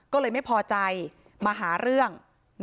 ก็เลยไม่พอใจมาหาเรื่อง